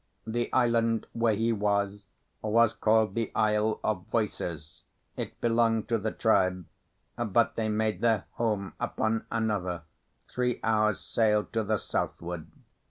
The island where he was was called the Isle of Voices; it belonged to the tribe, but they made their home upon another, three hours' sail to the southward.